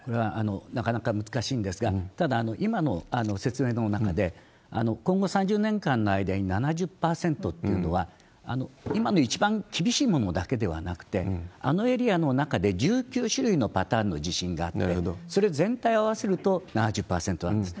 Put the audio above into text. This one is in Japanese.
なかなか難しいんですが、ただ、今の説明の中で、今後３０年間の間に７０％っていうのは、今の一番厳しいものだけではなくて、あのエリアの中で１９種類のパターンの地震があって、それ全体を合わせると７０％なんです。